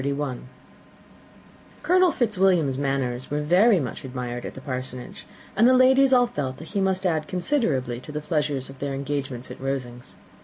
Colonel Fitzwilliam's manners were very much admired at the Parsonage, and the ladies all felt that he must add considerably to the pleasure of their engagements at Rosings.